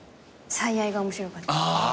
『最愛』が面白かったです。